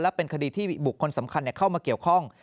และเป็นคดีที่บุคคลสำคัญเข้ามาเกี่ยวข้อง